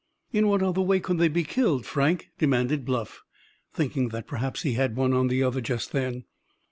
"In what other way could they be killed, Frank?" demanded Bluff, thinking that perhaps he had one on the other just then.